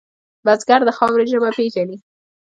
بزګر د خاورې ژبه پېژني